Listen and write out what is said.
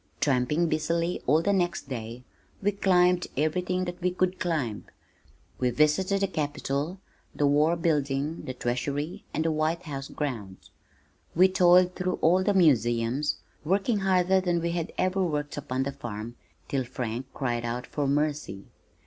Tramping busily all the next day, we climbed everything that could be climbed. We visited the Capitol, the war building, the Treasury and the White House grounds. We toiled through all the museums, working harder than we had ever worked upon the farm, till Frank cried out for mercy.